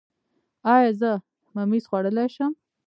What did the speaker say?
ایا زه ممیز خوړلی شم؟